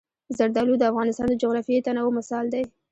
زردالو د افغانستان د جغرافیوي تنوع مثال دی.